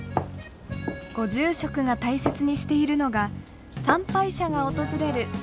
ご住職が大切にしているのが参拝者が訪れる